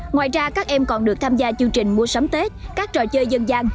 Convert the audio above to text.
ngoài ra các em còn được tham gia chương trình mua sắm tết các trò chơi dân gian